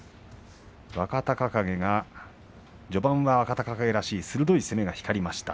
若隆景が序盤は若隆景らしい鋭い相撲が光りました。